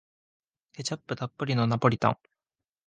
ケチャップたっぷりのナポリタン